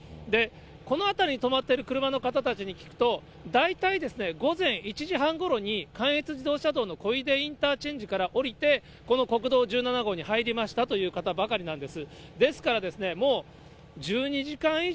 この辺りに止まっている車の方たちに聞くと、大体ですね、午前１時半ごろに、関越自動車道のこいでインターチェンジから下りて、この国道１７号に入りましたという方ばかりなんです。